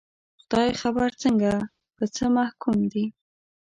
خدای خبر څنګه، په څه محکوم دي